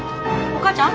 お母ちゃん。